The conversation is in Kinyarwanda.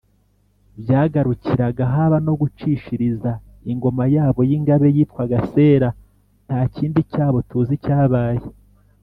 byagarukiraga, haba no gucishiriza, ingoma yabo y’ingabe yitwaga sera. nta kindi cyabo tuzi cyabaye